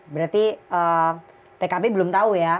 berarti pkb belum tahu ya